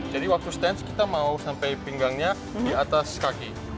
jadi waktu stance kita mau sampai pinggangnya di atas kaki